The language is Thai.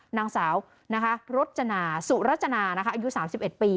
นางสาวรจนาสุรจนาอายุ๓๑ปี